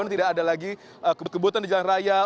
tidak ada lagi kebutuhan di jalan raya